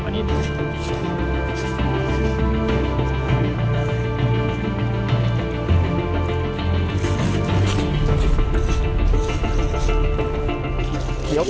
ตอนนี้เจออะไรบ้างครับ